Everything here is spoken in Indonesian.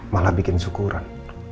malah bikin syukuran